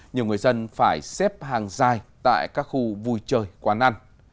nhiều người dân phải xếp hàng dài tại các khu vui chơi quán ăn